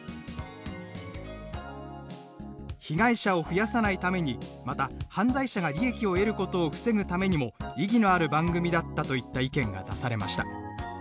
「被害者を増やさないためにまた犯罪者が利益を得ることを防ぐためにも意義のある番組だった」といった意見が出されました。